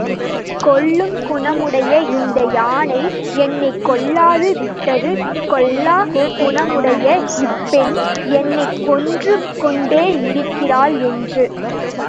கொல்லும் குணமுடைய இந்த யானை என்னைக் கொல்லாது விட்டது கொல்லாக் குணமுடைய இப்பெண், என்னைக் கொன்றுகொண்டே இருக்கிறாள் என்று.